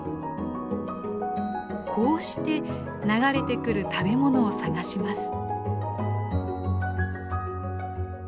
こうして流れてくる食べ物を探します。